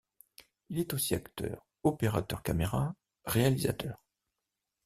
Il est aussi acteur, opérateur caméra, réalisateur.